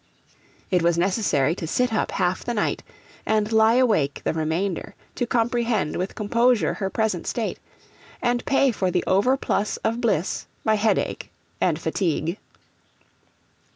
It was necessary to sit up half the night, and lie awake the remainder, to comprehend with composure her present state, and pay for the overplus of bliss by headache and fatigue.